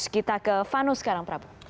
kita ke vano sekarang prabu